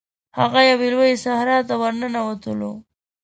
هغه یوې لويي صحرا ته ورننوتلو.